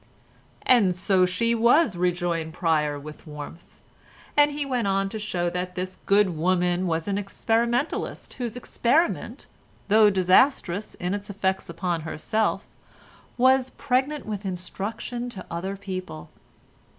"And so she was," rejoined Pryer with warmth; and he went on to show that this good woman was an experimentalist whose experiment, though disastrous in its effects upon herself, was pregnant with instruction to other people.